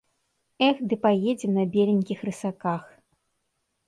Эх, ды паедзем на беленькіх рысаках.